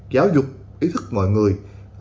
giáo dục ý thức mọi người